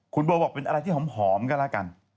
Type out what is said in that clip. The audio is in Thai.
คุณโบบอกเป็นอะไรที่หอมก็แล้วกัน